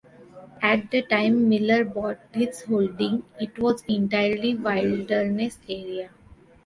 At the time Miller bought this holding, it was entirely wilderness area.